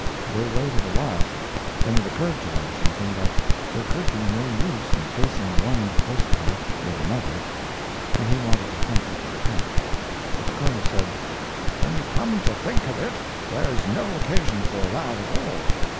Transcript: They waited a while; then it occurred to Washington that there could be no use in chasing one horse car with another, and he wanted to hunt up a hack. But the Colonel said: "When you come to think of it, there's no occasion for that at all.